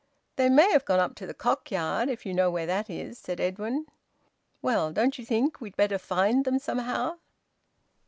"They may have gone up the Cock Yard if you know where that is," said Edwin. "Well, don't you think we'd better find them somehow?"